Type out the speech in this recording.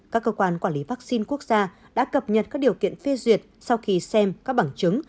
các cơ quan quản lý vaccine quốc gia đã cập nhật các điều kiện phê duyệt sau khi xem các bằng chứng